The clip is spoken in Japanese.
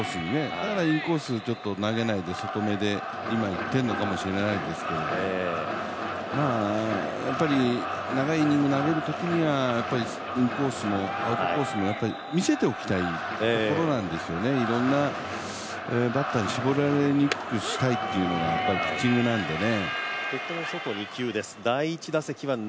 だからインコースにあまり投げないで外目で今いっているのかもしれないですけど長いイニング投げるときにはインコースもアウトコースも見せておきたいところなんですよねいろんなバッターに絞られにくいようにしたいというのがピッチングなのでね。